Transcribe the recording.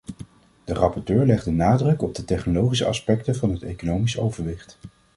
De rapporteur legt de nadruk op de technologische aspecten van het economisch overwicht.